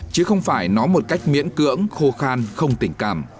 chứ không phải nói một cách miễn cưỡng khô khan không tình cảm